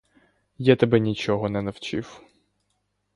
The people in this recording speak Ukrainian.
Я тебе нічого не навчив!